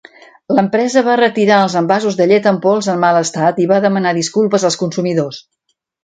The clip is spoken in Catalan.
L'empresa va retirar els envasos de llet en pols en mal estat i va demanar disculpes als consumidors.